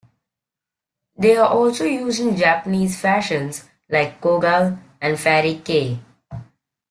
They are also used in Japanese fashions like Kogal and Fairy Kei.